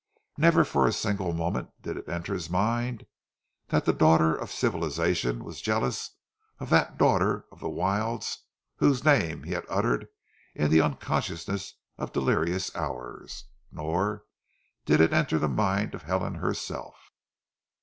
Never for a single moment did it enter his mind that the daughter of civilization was jealous of that daughter of the wilds whose name he had uttered in the unconsciousness of delirious hours. Nor did it enter the mind of Helen herself.